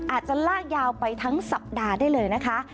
อาจจะลากยาวไปทั้งสัปดาห์ได้เลยนะคะ